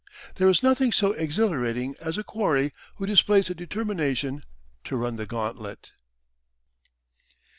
There is nothing so exhilarating as a quarry who displays a determination to run the gauntlet.